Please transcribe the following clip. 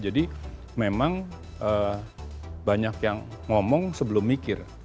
jadi memang banyak yang ngomong sebelum mikir